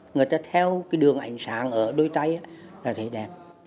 người ta theo cái đường ánh sáng ở đôi tay là thấy đẹp